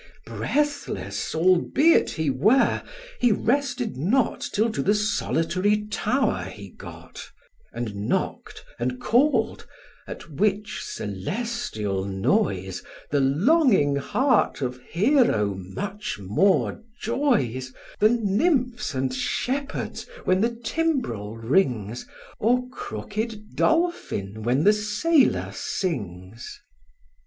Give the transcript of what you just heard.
Breathless albeit he were, he rested not Till to the solitary tower he got; And knock'd, and call'd: at which celestial noise The longing heart of Hero much more joys, Than nymphs and shepherds when the timbrel rings, Or crooked dolphin when the sailor sings.